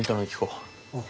うん。